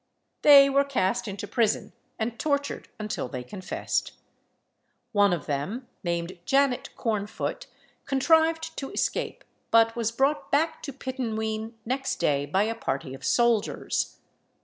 They were cast into prison, and tortured until they confessed. One of them, named Janet Cornfoot, contrived to escape, but was brought back to Pittenween next day by a party of soldiers.